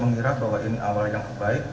mengira bahwa ini awal yang baik